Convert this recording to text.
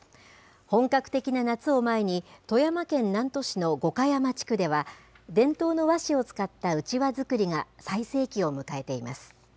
本格的な夏を前に、富山県南砺市の五箇山地区では、伝統の和紙を使ったうちわ作りが最盛期を迎えています。